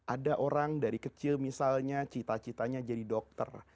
ada orang dari kecil misalnya cita citanya jadi dokter